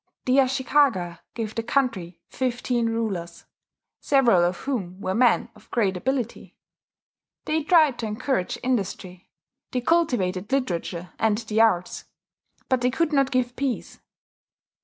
The Ashikaga gave the country fifteen rulers, several of whom were men of great ability: they tried to encourage industry; they cultivated literature and the arts; but they could not give peace.